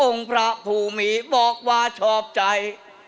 พระภูมิบอกว่าชอบใจ